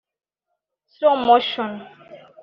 Slow motion